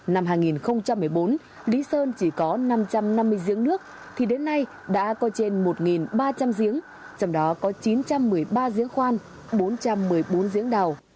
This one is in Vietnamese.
năm hai nghìn một mươi bốn lý sơn chỉ có năm trăm năm mươi diễn nước thì đến nay đã có trên một ba trăm linh diễn trong đó có chín trăm một mươi ba diễn khoan bốn trăm một mươi bốn diễn đảo